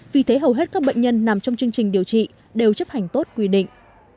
vì thế hầu hết các bệnh nhân nằm trong chương trình điều trị đều chấp hành tốt quy định